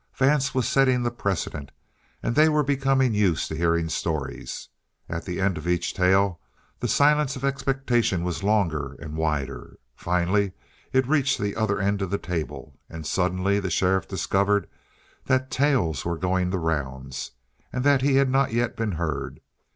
Vance was setting the precedent, and they were becoming used to hearing stories. At the end of each tale the silence of expectation was longer and wider. Finally, it reached the other end of the table, and suddenly the sheriff discovered that tales were going the rounds, and that he had not yet been heard.